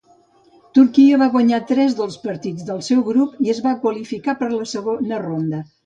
Turquia va guanyar tres dels partits del seu grup i es va qualificar per la segona ronda.